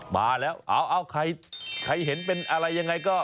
มาแล้วเอาใครเห็นเป็นอะไรยังไงก็